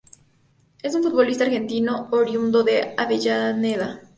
Es un futbolista argentino, oriundo de Avellaneda.